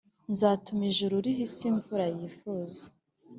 nzatuma ijuru riha isi imvura yifuza